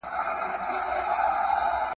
زه له غروره د ځوانۍ لکه نیلی درتللای ,